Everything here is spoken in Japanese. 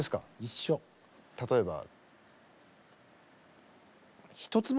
例えば？